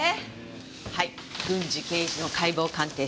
はい郡侍刑事の解剖鑑定書。